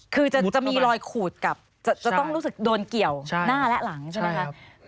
คือจะมีรอยขูดกับจะต้องรู้สึกโดนเกี่ยวหน้าและหลังใช่ไหมคะ